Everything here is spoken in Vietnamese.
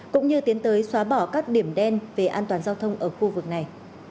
cũng như tiến tới xóa bỏ các điểm đen về an toàn giao thông ở khu vực này